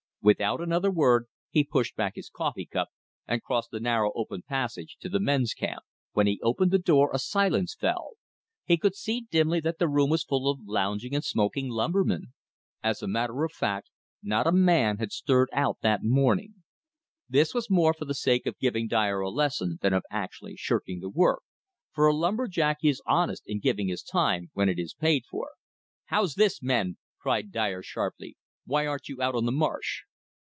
Without another word he pushed back his coffee cup and crossed the narrow open passage to the men's camp When he opened the door a silence fell. He could see dimly that the room was full of lounging and smoking lumbermen. As a matter of fact, not a man had stirred out that morning. This was more for the sake of giving Dyer a lesson than of actually shirking the work, for a lumber jack is honest in giving his time when it is paid for. "How's this, men!" cried Dyer sharply; "why aren't you out on the marsh?"